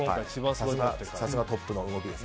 さすがトップの動きです。